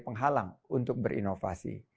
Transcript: penghalang untuk berinovasi